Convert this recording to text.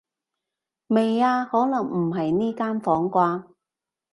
未啊，可能唔喺呢間房啩